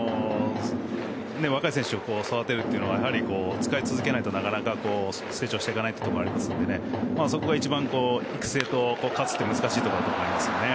若い選手を育てるのは使い続けないとなかなか成長していかないところもありますのでそこが一番、育成と勝つって難しいところですね。